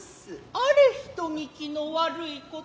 あれ人ぎきの悪いことを。